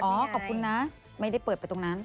ขอบคุณนะไม่ได้เปิดไปตรงนั้น